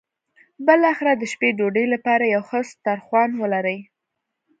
بالاخره د شپې ډوډۍ لپاره یو ښه سترخوان ولري.